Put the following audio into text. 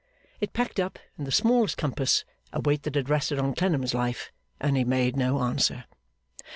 It packed up, in the smallest compass, a weight that had rested on Clennam's life; and he made no answer.